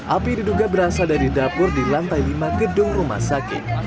api diduga berasal dari dapur di lantai lima gedung rumah sakit